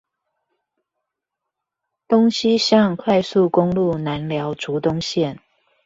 東西向快速公路南寮竹東線